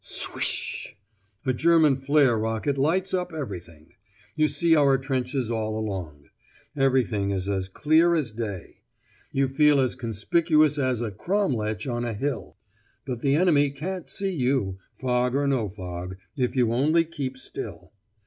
'Swish.' A German flare rocket lights up everything. You see our trenches all along. Everything is as clear as day. You feel as conspicuous as a cromlech on a hill. But the enemy can't see you, fog or no fog, if you only keep still.